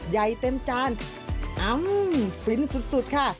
ใหญ่เต็มจานอังฟินสุดค่ะ